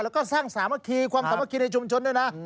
แล้วก็สร้างสามัคคีความสามัคคีในชุมชนด้วยนะ